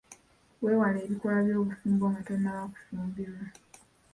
Weewale ebikolwa by'obufumbo nga tonnaba kufumbirwa.